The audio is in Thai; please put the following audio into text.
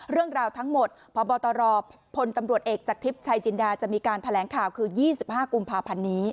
เรื่องราวทั้งหมดพบตรพลตำรวจเอกจากทิพย์ชัยจินดาจะมีการแถลงข่าวคือ๒๕กุมภาพันธ์นี้